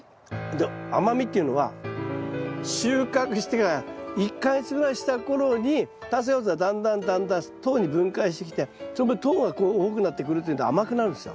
甘みっていうのは収穫してから１か月ぐらいした頃に炭水化物がだんだんだんだん糖に分解してきてその分糖が多くなってくるというんで甘くなるんですよ。